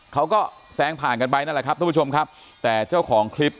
เขาก็แซงผ่านกันไปนั่นแหละครับทุกผู้ชมครับแต่เจ้าของคลิป